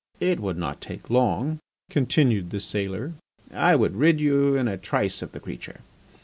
"It would not take long," continued the sailor. "I would rid you in a trice of the creature.